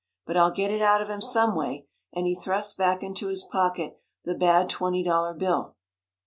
But I'll get it out of him, some way," and he thrust back into his pocket the bad twenty dollar bill.